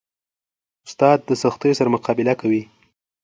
استاد د سختیو سره مقابله کوي.